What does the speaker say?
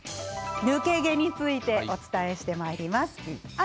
抜け毛についてお伝えします。